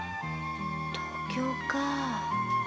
東京か。